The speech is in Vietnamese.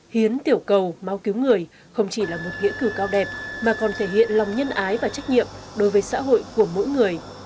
hiến tiểu cầu máu cứu người không chỉ là một nghĩa cử cao đẹp mà còn thể hiện lòng nhân ái và trách nhiệm đối với xã hội của mỗi người